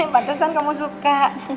pantesan kamu suka